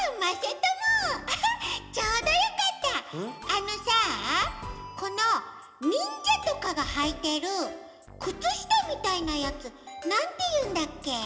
あのさこのにんじゃとかがはいてるくつしたみたいなやつなんていうんだっけ？